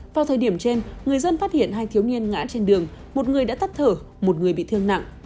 vào thời điểm trên người dân phát hiện hai thiếu niên ngã trên đường một người đã tắt thở một người bị thương nặng